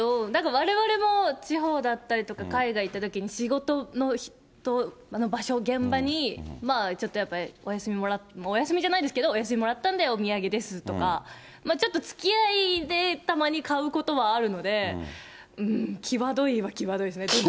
われわれも地方だったりとか海外行ったときに、仕事の人、場所、現場に、ちょっとやっぱ、お休みもらって、お休みじゃないですけど、お休みもらったんで、お土産ですとか、ちょっとつきあいでたまに買うことはあるので、きわどいはきわどいですね。